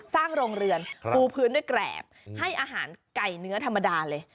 สร้างโรงเรือนปูพื้นด้วยแกรบให้อาหารไก่เนื้อธรรมดาเลย